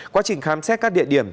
quá trình khám xét các địa điểm